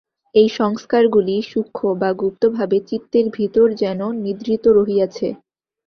এই সংস্কারগুলি সূক্ষ্ম বা গুপ্তভাবে চিত্তের ভিতর যেন নিদ্রিত রহিয়াছে।